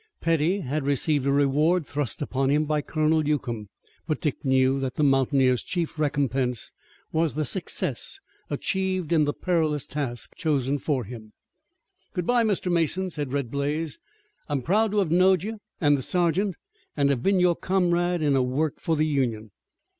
Petty had received a reward thrust upon him by Colonel Newcomb, but Dick knew that the mountaineer's chief recompense was the success achieved in the perilous task chosen for him. "Good bye, Mr. Mason," said Red Blaze, "I'm proud to have knowed you an' the sergeant, an' to have been your comrade in a work for the Union."